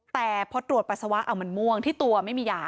แต่พอตรวจปัสสาวะมันม่วงที่ตัวไม่มียา